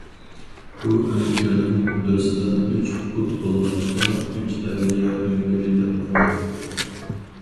بۇ ئۆڭكۈرنىڭ ئوتتۇرىسىدا ئۈچ بۇت بولغاچقا،‹‹ ئۈچ ئەۋلىيا ئۆڭكۈرى›› دەپ ئاتالغان.